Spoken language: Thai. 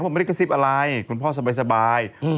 เขาบอกไม่ได้กระซิบอะไรคุณพ่อสบายสบายอืม